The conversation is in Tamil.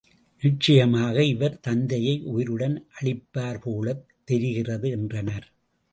நிச்சயமாக இவர் தத்தையை உயிருடன் அளிப்பார் போலத் தெரிகிறது என்றனர்.